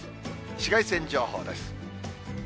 紫外線情報です。